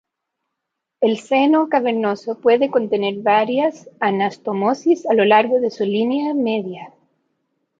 El seno cavernoso puede contener varias anastomosis a lo largo de su línea media.